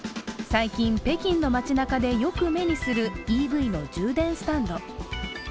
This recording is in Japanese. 最近、北京の街なかでよく目にするＥＶの充電スタンド。